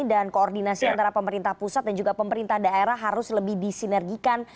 dan koordinasi antara pemerintah pusat dan juga pemerintah daerah harus lebih disinergikan